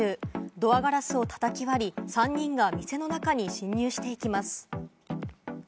ドアガラスを叩き割り、３人が店の中に侵入していきます。